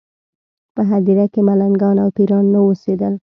په هدیره کې ملنګان او پېران نه اوسېدل.